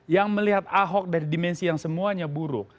yang melihat ahok dari dimensi yang semuanya buruk